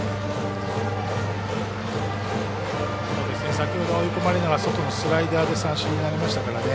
先ほど追い込まれたのが外のスライダーで三振になりましたからね。